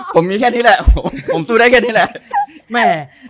ผมมีแค่นี้แหละผมสู้ได้แค่นี้แหละแม่